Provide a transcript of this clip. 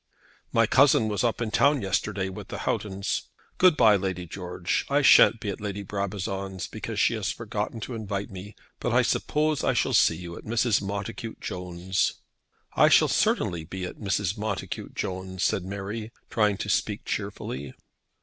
"My cousin was up in town yesterday with the Houghtons. Good bye, Lady George; I shan't be at Lady Brabazon's, because she has forgotten to invite me, but I suppose I shall see you at Mrs. Montacute Jones'?" "I shall certainly be at Mrs. Montacute Jones'," said Mary, trying to speak cheerfully.